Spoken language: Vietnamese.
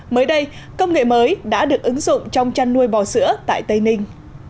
mới đây công nghệ mới đã được ứng dụng trong chăn nuôi bò sữa tại tây ninh